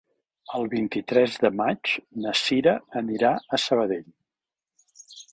El vint-i-tres de maig na Sira anirà a Sabadell.